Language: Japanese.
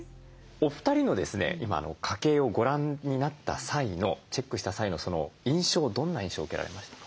お二人の今家計をご覧になった際のチェックした際の印象どんな印象受けられましたか？